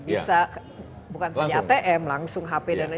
bisa bukan saja atm langsung hp dan lain lain